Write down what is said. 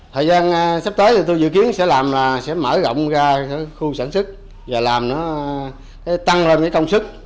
thời gian sắp tới tôi dự kiến sẽ mở rộng ra khu sản xuất và làm nó tăng lên công sức